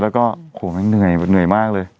แล้วก็เหนื่อยมากเลย